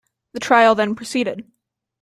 The trial then proceeded.